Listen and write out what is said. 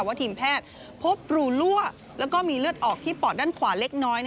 ทีมแพทย์พบรูลั่วแล้วก็มีเลือดออกที่ปอดด้านขวาเล็กน้อย